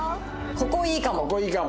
ここいいかも。